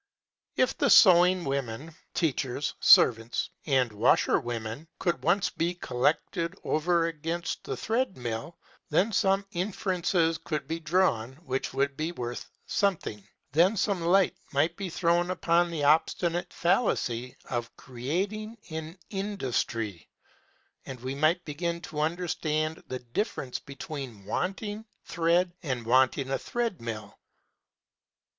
If the sewing women, teachers, servants, and washer women could once be collected over against the thread mill, then some inferences could be drawn which would be worth something. Then some light might be thrown upon the obstinate fallacy of "creating an industry," and we might begin to understand the difference between wanting thread and wanting a thread mill.